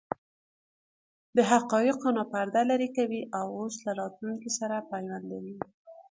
د حقایقو نه پرده لرې کوي او اوس له راتلونکې سره پیوندوي.